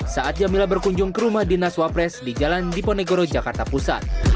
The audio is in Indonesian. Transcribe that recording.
saat jamila berkunjung ke rumah dinas wapres di jalan diponegoro jakarta pusat